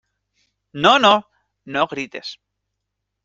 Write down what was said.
¡ no, no! no grites.